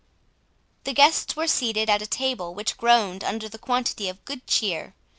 The guests were seated at a table which groaned under the quantity of good cheer.